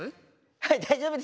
はい大丈夫ですよ。